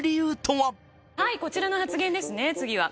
はいこちらの発言ですね次は。